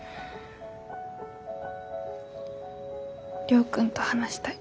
亮君と話したい。